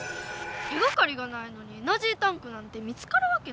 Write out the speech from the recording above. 手がかりがないのにエナジータンクなんて見つかるわけないでしょ。